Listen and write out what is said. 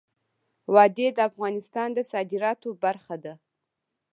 وادي د افغانستان د صادراتو برخه ده.